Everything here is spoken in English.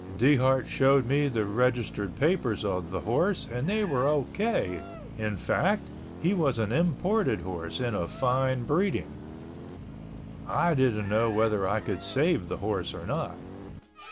Dehart showed me the registered papers of the horse and they were O.K., in fact, he was an imported horse and of fine breeding. I didn't know whether I could save the horse or not.